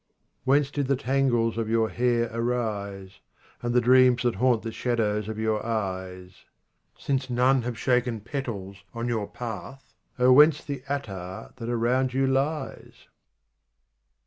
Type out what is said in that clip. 46 Whence did the tangles ^of your hair arise ? And the dreams that haunt the shadows of your eyes ? Since none have shaken petals on your path Oh whence the attar that around you lies